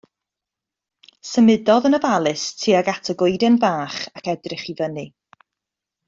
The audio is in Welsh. Symudodd yn ofalus tuag at y goeden fach ac edrych i fyny.